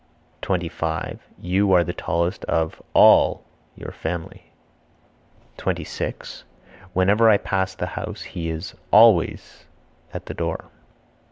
25. You are the tallest of (all) your family. 26. Whenever I pass the house he is (always) at the door.